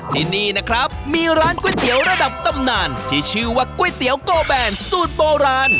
ที่นี่นะครับมีร้านก๋วยเตี๋ยวระดับตำนานที่ชื่อว่าก๋วยเตี๋ยวโกแบนสูตรโบราณ